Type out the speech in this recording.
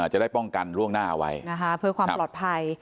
จะได้ป้องกันล่วงหน้าเอาไว้นะคะเพื่อความปลอดภัย